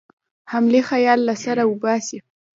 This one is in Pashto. حملې خیال له سره وباسي.